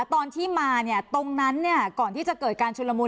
ตอนที่มาเนี่ยตรงนั้นก่อนที่จะเกิดการชุนละมุน